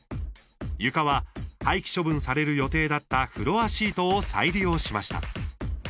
床は廃棄処分される予定だったフロアシートを再利用しました。